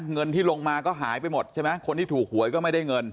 เงินที่ลงมาก็หายไปหมดใช่ไหมคนที่ถูกหวยก็ไม่ได้เงิน